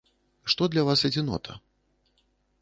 Што для вас адзінота?